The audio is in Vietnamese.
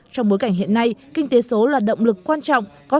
trong bối cảnh hiện nay kinh tế số là động lực quan trọng